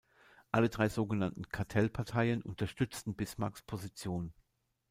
Alle drei sogenannten Kartellparteien unterstützten Bismarcks Position.